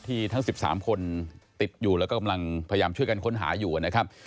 ทั้ง๑๓คนติดอยู่แล้วก็กำลังพยายามช่วยกันค้นหาอยู่นะครับ